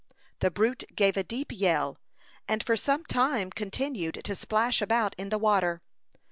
The brute gave a deep yell, and for some time continued to splash about in the water.